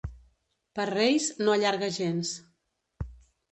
Per Reis, no allarga gens.